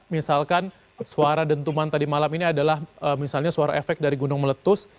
misalkan suara dentuman tadi malam ini adalah misalnya suara efek dari gunung meletus